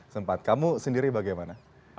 sempat kamu sendiri bagaimana